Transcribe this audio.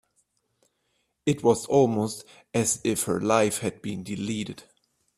It was almost as if her life had been deleted.